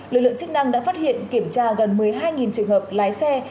lực lượng chức năng đã phát hiện kiểm tra gần một mươi hai trường hợp lái xe